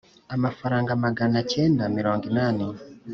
amafaranga magana cyenda mirongo inani